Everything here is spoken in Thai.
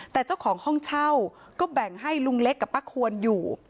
แต่เจ้าของห้องเช่าก็แบ่งให้ลุงเล็กกับป้าควรอยู่